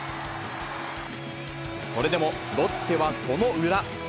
それでもロッテはその裏。